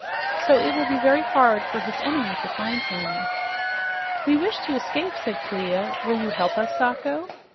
So it will be very hard for his enemy to find him." "We wish to escape," said Clia. "Will you help us, Sacho?"